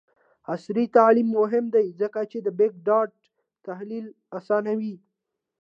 عصري تعلیم مهم دی ځکه چې د بګ ډاټا تحلیل اسانوي.